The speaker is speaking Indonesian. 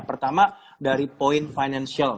pertama dari poin financial